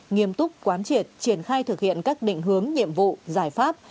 nghiêm túc quán triệt triển khai thực hiện các định hướng nhiệm vụ giải pháp